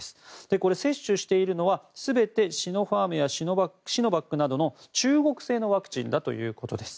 これ、接種しているのは全てシノファームやシノバックなどの中国製のワクチンだということです。